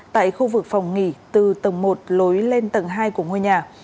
tại khu vực phòng nghỉ từ tầng một lối lên tầng hai của ngôi nhà